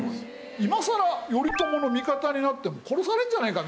今さら頼朝の味方になっても殺されるんじゃないか？